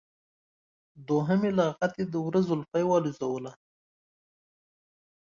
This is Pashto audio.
دوهمې لغتې د وره زولفی والوزوله.